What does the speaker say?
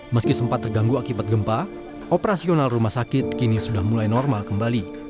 meski sempat terganggu akibat gempa operasional rumah sakit kini sudah mulai normal kembali